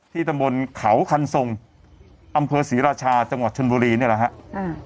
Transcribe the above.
ตำบลเขาคันทรงอำเภอศรีราชาจังหวัดชนบุรีนี่แหละฮะอ่า